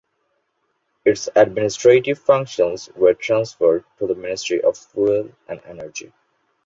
Its administrative functions were transferred to the Ministry of Fuel and Energy.